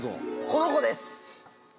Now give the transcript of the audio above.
この子です。